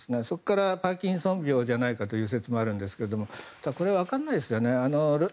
そこからパーキンソン病じゃないかという説もあるんですがこれはわからないですよね。